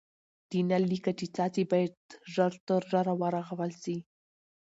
د نل لیکه چي څاڅي باید ژر تر ژره ورغول سي.